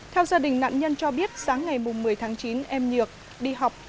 theo gia đình nạn nhân cho biết sáng ngày một mươi tháng chín em nhược đi học